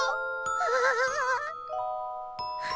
ああ。